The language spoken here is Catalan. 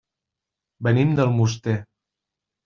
Venim d'Almoster.